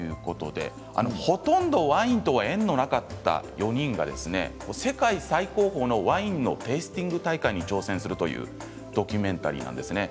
ほとんどワインに縁のなかった４人が世界最高峰のワインのテースティング大会に挑戦するというドキュメンタリーです。